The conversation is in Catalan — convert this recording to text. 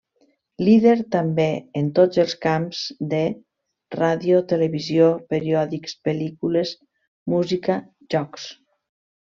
Líder també en tots els camps de; Ràdio, televisió, periòdics, pel·lícules, música, jocs.